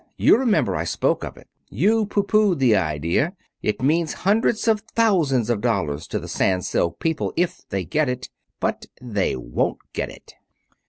You remember I spoke of it. You pooh poohed the idea. It means hundreds of thousands of dollars to the Sans Silk people if they get it. But they won't get it."